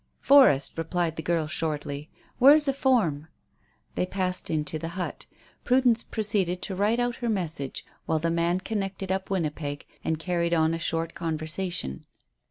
"Forest," replied the girl shortly. "Where's a form?" They passed into the hut. Prudence proceeded to write out her message while the man connected up Winnipeg and carried on a short conversation.